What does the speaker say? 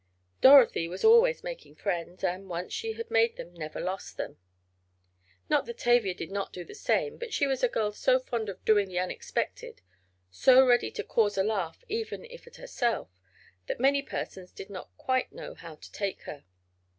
Dorothy was always making friends, and, once she had made them she never lost them. Not that Tavia did not do the same, but she was a girl so fond of doing the unexpected, so ready to cause a laugh, even if at herself, that many persons did not quite know how to take her.